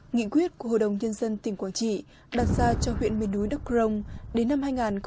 nghị quyết của hội đồng nhân dân tỉnh quảng trị đặt ra cho huyện miền núi đắk crong đến năm hai nghìn hai mươi